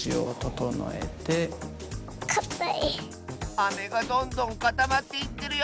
アメがどんどんかたまっていってるよ！